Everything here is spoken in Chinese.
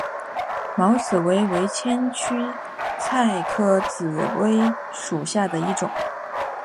毛紫薇为千屈菜科紫薇属下的一个种。